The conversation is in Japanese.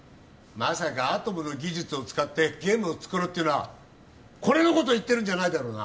まさかアトムの技術を使ってゲームを作ろうっていうのはこれのこと言ってるんじゃないだろうな？